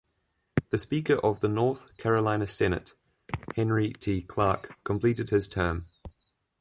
The Speaker of the North Carolina Senate, Henry T. Clark, completed his term.